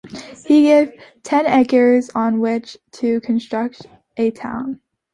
He gave ten acres on which to construct a town.